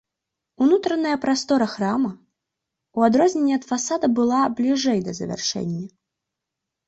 Унутраная прастора храма, у адрозненне ад фасада была бліжэй да завяршэння.